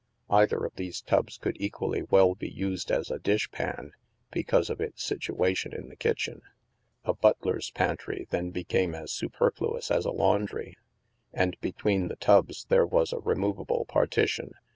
Either of these tubs could equally well be used as a dish pan, because of its situation in the kitchen. A butler's pantry then became as superfluous as a laundry. And be tween the tubs, there was a removable partition.